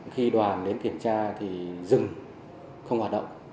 khi đoàn đến kiểm tra thì dừng không hoạt động